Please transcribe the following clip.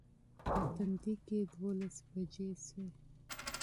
په تندي کې دولس بجې شوې.